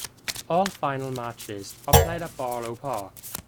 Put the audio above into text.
All finals matches are played at Barlow Park.